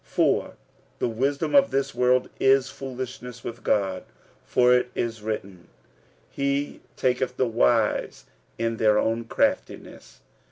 46:003:019 For the wisdom of this world is foolishness with God. For it is written, He taketh the wise in their own craftiness.